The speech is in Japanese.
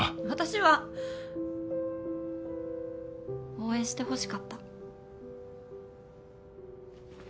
応援してほしかった。